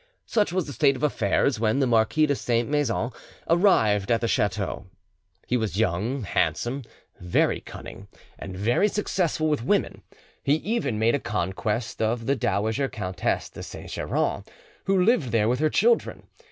Such was the state of affairs when the Marquis de Saint Maixent arrived at the chateau. He was young, handsome, very cunning, and very successful with women; he even made a conquest of the dowager Countess de Saint Geran, who lived there with her children.